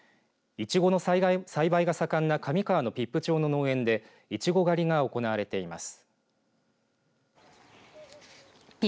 イチゴの栽培が盛んな上川の比布町の農園でイチゴ狩りが行われています。